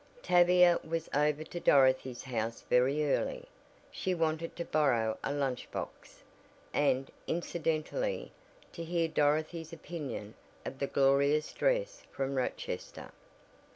Tavia was over to Dorothy's house very early. She wanted to borrow a lunch box, and, incidentally, to hear Dorothy's opinion of the "glorious dress" from Rochester.